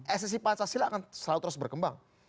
esensi pancasila akan selalu terus berkembang